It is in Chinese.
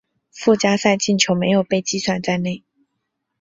附加赛进球没有被计算在内。